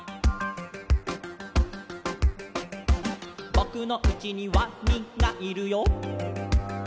「ぼくのうちにワニがいるよ」